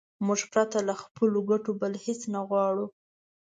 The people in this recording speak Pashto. موږ پرته له خپلو ګټو بل هېڅ نه غواړو.